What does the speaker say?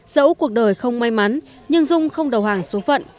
dẫu cuộc đời không may mắn nhưng dung không đầu hàng số phận